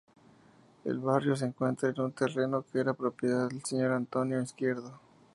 El barrio se encuentra en un terreno que era propiedad del señor Antonio Izquierdo.